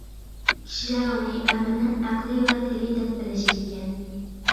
كىشىلەر ئۇنى ئەمىرنىڭ ئەقلى ۋە تىلى دەپ بىلىشىدىكەن.